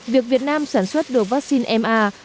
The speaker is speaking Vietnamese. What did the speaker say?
việc việt nam sản xuất được vaccine ma